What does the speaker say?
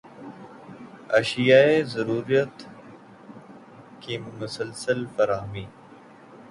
اشیائے ضرورت کی مسلسل فراہمی